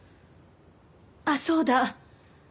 あっそうだ。